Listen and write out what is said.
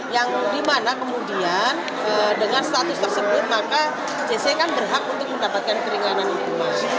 yang dimana kemudian dengan status tersebut maka jc kan berhak untuk mendapatkan keringanan hukuman